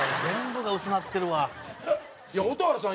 全部が薄なってるわ。